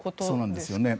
そうなんですよね。